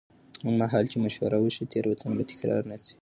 هغه مهال چې مشوره وشي، تېروتنه به تکرار نه شي.